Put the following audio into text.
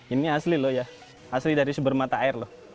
ini asli loh ya asli dari seber mata air